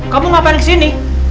kamu ngapain kesini